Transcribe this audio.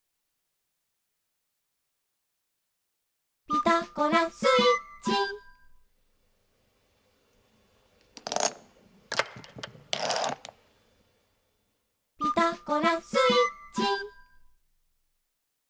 「ピタゴラスイッチ」「ピタゴラスイッチ」